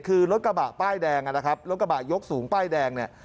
คือรถกระบะป้ายแดงรถกระบะยกสูงป้ายแดง